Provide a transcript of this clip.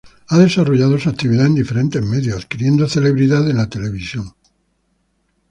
Ha desarrollado su actividad en diferentes medios, adquiriendo celebridad en la televisión.